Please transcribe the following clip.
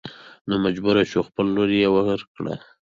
نو مجبور شو خپله لور يې ور کړه.